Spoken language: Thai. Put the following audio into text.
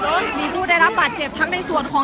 ก็ไม่มีใครกลับมาเมื่อเวลาอาทิตย์เกิดขึ้น